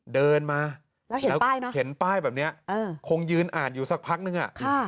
เดินมาแล้วเห็นป้ายแบบนี้คงยืนอ่านอยู่สักพักหนึ่ง